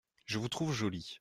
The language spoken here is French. Je vous trouve joli !